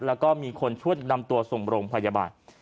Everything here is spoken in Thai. แล้วก็มีคนช่วยนำตัวส่งโรงพยาบาล